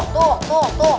tuh tuh tuh